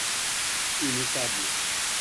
une table.